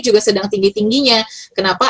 juga sedang tinggi tingginya kenapa